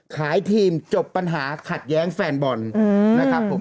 ขายทีมจบปัญหาขัดแย้งแฟนบอลนะครับผม